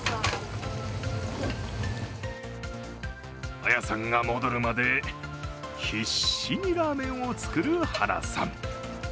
綾さんが戻るまで必死にラーメンを作る晴名さん。